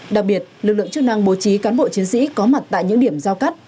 đặc biệt lực lượng chức năng bố trí cán bộ chiến sĩ có mặt tại những điểm giao cắt